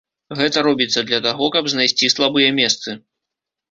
Гэта робіцца для таго, каб знайсці слабыя месцы.